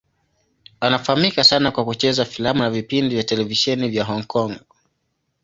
Anafahamika sana kwa kucheza filamu na vipindi vya televisheni vya Hong Kong.